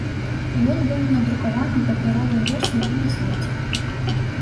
Ён быў надрукаваны ў папяровай версіі і на сайце.